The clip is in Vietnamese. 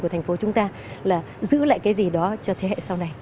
của thành phố chúng ta là giữ lại cái gì đó cho thế hệ sau này